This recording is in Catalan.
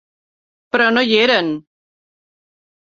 Però no hi eren.